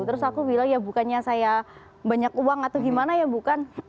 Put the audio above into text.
terus aku bilang ya bukannya saya banyak uang atau gimana ya bukan